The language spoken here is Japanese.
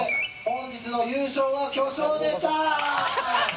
本日の優勝は巨匠でした！